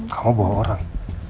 kamu bawa orang